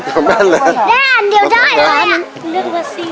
คุ้มอันเดียวด้วย